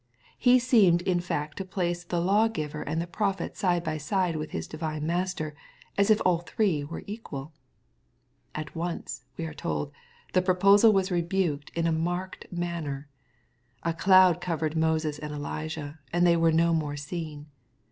He seemed in fact to place the law giver and the prophet side by side with his divine Master, as if all three were equal. At once, we are told, the proposal was rebuked in a marked manner. — A cloud covered Moses and Elijah, and they were no more seen.